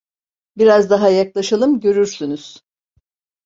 Biraz daha yaklaşalım, görürsünüz!